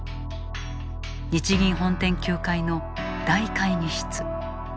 日銀本店９階の大会議室。